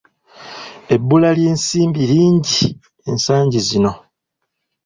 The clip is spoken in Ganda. Ebbula ly’ensimbi lingi ensangi zino!